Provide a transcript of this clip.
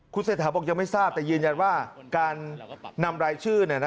เศรษฐาบอกยังไม่ทราบแต่ยืนยันว่าการนำรายชื่อ